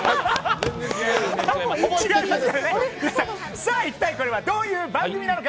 さあ、一体これはどういう番組なのか。